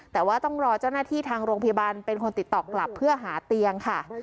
แต่ว่าต้องรอเจ้าหน้าที่ทางโรงพยาบาลเป็นคนติดต่อกลับเพื่อหาเตียงค่ะ